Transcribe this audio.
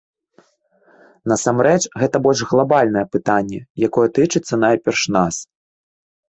Насамрэч, гэта больш глабальнае пытанне, якое тычыцца, найперш, нас.